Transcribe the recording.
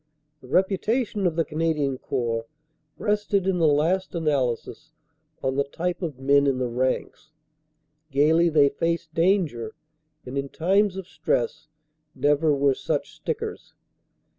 The reputation of the Canadian Corps rested in the last analysis on the type of men in the ranks. Gaily they faced danger and in times of stress never were such stickers.